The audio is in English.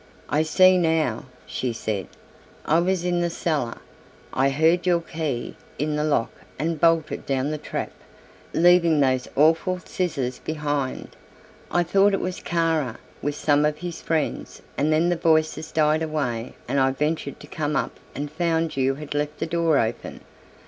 "I see now," she said; "I was in the cellar. I heard your key in the lock and bolted down the trap, leaving those awful scissors behind. I thought it was Kara with some of his friends and then the voices died away and I ventured to come up and found you had left the door open.